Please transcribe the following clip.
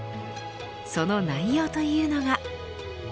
その内容というのが。